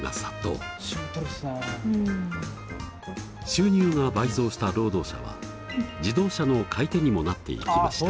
収入が倍増した労働者は自動車の買い手にもなっていきました。